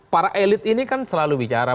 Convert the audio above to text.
para elit ini kan selalu bicara